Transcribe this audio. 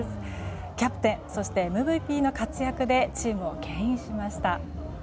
キャプテンそしてＭＶＰの活躍でチームを牽引しました。